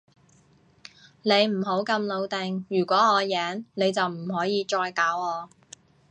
你唔好咁老定，如果我贏，你就唔可以再搞我